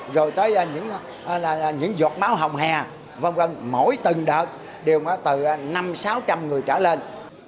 rồi tới những giọt máu hồng hè v v mỗi từng đợt đều có từ năm sáu trăm linh người trở lên